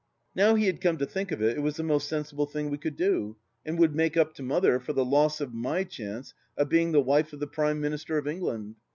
... Now he had come to think of it, it was the most sensible thing we could do, and would make up to Mother for the loss of my chance of being the wife of the Prime Minister of England.